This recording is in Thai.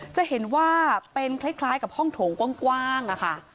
จะเห็นว่าเป็นคล้ายกับห้องโถงกว้างค่ะ